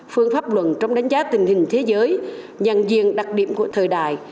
phương pháp luận trong đánh giá tình hình thế giới nhận diện đặc điểm của thời đại